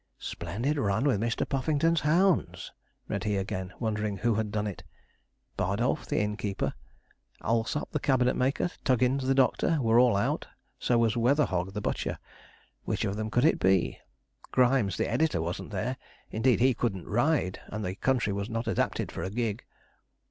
'Splendid run with Mr. Puffington's hounds,' read he again, wondering who had done it: Bardolph, the innkeeper; Allsop, the cabinet maker; Tuggins, the doctor, were all out; so was Weatherhog, the butcher. Which of them could it be? Grimes, the editor, wasn't there; indeed, he couldn't ride, and the country was not adapted for a gig.